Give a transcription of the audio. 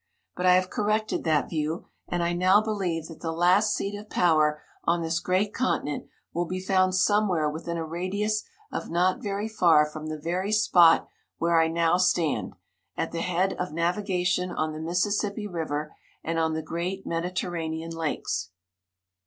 But I have corrected that view, and I now believe that the last seat of power on this great continent will be found somewhere within a radius of not very far from the very spot where I now stand, at the head of navigation on the Mississippi river and on the great Mediterranean lakes."